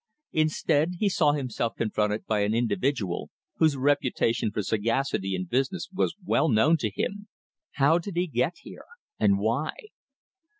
Instead, he saw himself confronted by an individual whose reputation for sagacity in business was well known to him. How did he get here, and why?